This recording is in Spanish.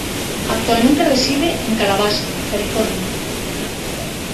Actualmente reside en Calabasas, California.